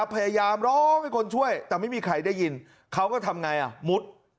พยายามร้องให้คนช่วยแต่ไม่มีใครได้ยินเขาก็ทำไงอ่ะมุด